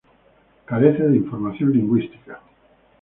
Carece de información lingüística.